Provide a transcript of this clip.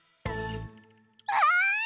わい！